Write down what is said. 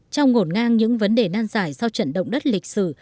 trong ngổn ngang những vấn đề nan giải sau trận động đất lịch sử